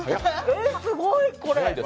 すごいこれ。